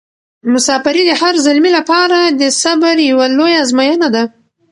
مساپري د هر زلمي لپاره د صبر یوه لویه ازموینه ده.